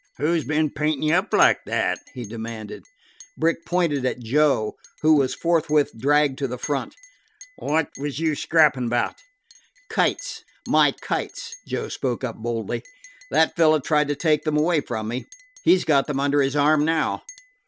"Who 's been paintin' you up like that?" he demanded. Brick pointed at Joe, who was forthwith dragged to the front. "Wot was you scrappin' about?" "Kites my kites," Joe spoke up boldly. "That fellow tried to take them away from me. He 's got them under his arm now."